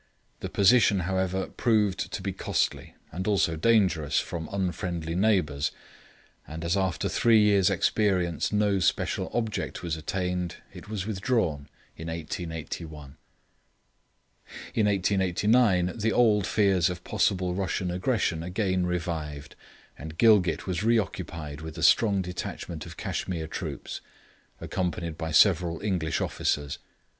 The position, however, proved to be costly, and also dangerous from unfriendly neighbours, and, as after three years' experience no special object was attained, it was withdrawn in 1881. In 1889 the old fears of possible Russian aggression again revived, and Gilgit was reoccupied with a strong detachment of Cashmere troops, accompanied by several English officers.